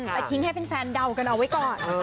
แต่ทิ้งให้แฟนเดากันเอาไว้ก่อน